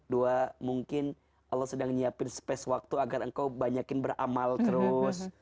dua mungkin allah sedang menyiapkan waktu agar engkau banyak beramal terus